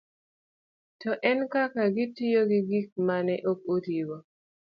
to en kaka gitiyo gi gik ma ne ok otigo.